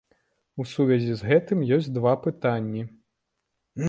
У сувязі з гэтым ёсць два пытанні.